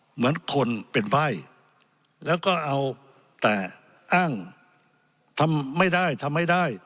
เหมือนคนเป็นไพ่แล้วก็เอาแต่อ้างทำไม่ได้ทำไม่ได้